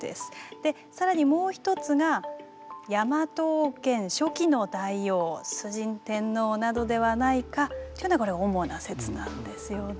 で更にもう一つがヤマト王権初期の大王崇神天皇などではないかというのが主な説なんですよね。